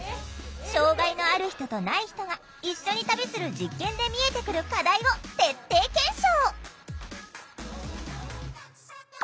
障害のある人とない人が一緒に旅する実験で見えてくる課題を徹底検証！